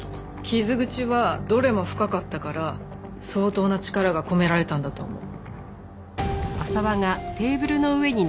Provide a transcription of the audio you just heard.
傷口はどれも深かったから相当な力が込められたんだと思う。